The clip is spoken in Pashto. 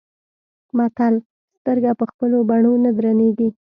متل : سترګه په خپلو بڼو نه درنيږي.